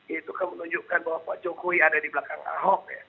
itu kan menunjukkan bahwa pak jokowi ada di belakang ahok ya